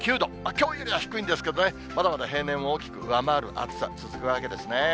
きょうよりは低いんですけどね、まだまだ平年を大きく上回る暑さ、続くわけですね。